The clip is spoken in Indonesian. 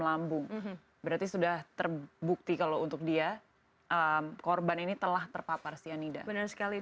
lambung berarti sudah terbukti kalau untuk dia korban ini telah terpapar cyanida benar sekali